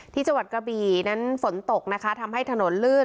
จังหวัดกระบีนั้นฝนตกนะคะทำให้ถนนลื่น